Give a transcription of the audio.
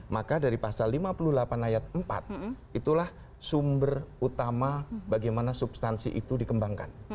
maka dari pasal lima puluh delapan ayat empat itulah sumber utama bagaimana substansi itu dikembangkan